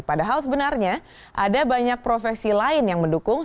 padahal sebenarnya ada banyak profesi lain yang mendukung